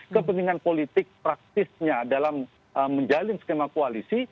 kepentingan politik praktisnya dalam menjalin skema koalisi